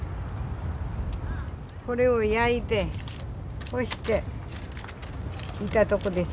これを焼いて干していたとこです。